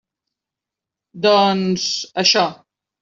Doncs, això.